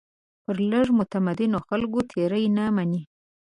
پر لږ متمدنو خلکو تېري نه مني.